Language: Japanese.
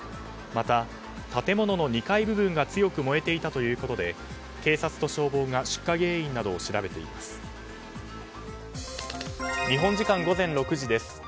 また、建物の２階部分が強く燃えていたということで警察と消防が出火原因などを調べています。